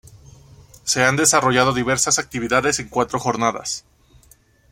se han desarrollado diveras actividades en cuatro jornadas